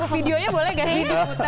videonya boleh gak sih